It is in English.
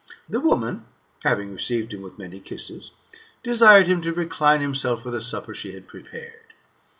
The woman having received him with many kisses, desired him to recline himself for the supper she had prepared.